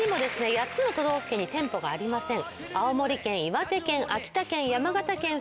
８つの都道府県に店舗がありません。